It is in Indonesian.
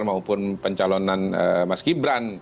maupun pencalonan mas gibran